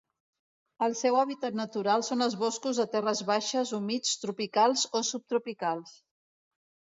El seu hàbitat natural són els boscos de terres baixes humits tropicals o subtropicals.